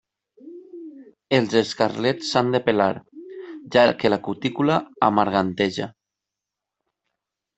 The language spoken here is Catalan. Els escarlets s'han de pelar, ja que la cutícula amarganteja.